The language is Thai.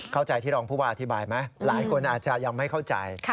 เข้าใจที่รองผู้ว่าอธิบายไหมหลายคนอาจจะยังไม่เข้าใจ